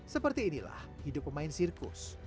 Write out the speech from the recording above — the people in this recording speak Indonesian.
seperti inilah hidup pemain sirkus